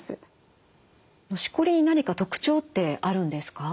しこりに何か特徴ってあるんですか？